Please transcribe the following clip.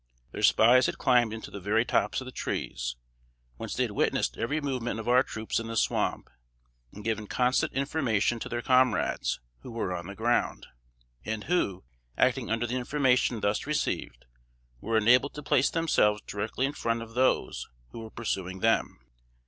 Their spies had climbed into the very tops of the trees, whence they had witnessed every movement of our troops in the swamp, and given constant information to their comrades who were on the ground, and who, acting under the information thus received, were enabled to place themselves directly in front of those who were pursuing them.